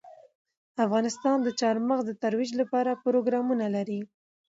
افغانستان د چار مغز د ترویج لپاره پروګرامونه لري.